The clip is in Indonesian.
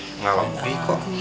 pengen minta kamu